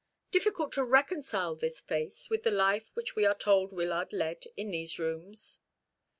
Difficult to reconcile this face with the life which we are told Wyllard led in these rooms."